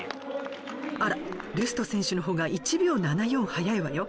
あらルスト選手のほうが１秒７４速いわよ。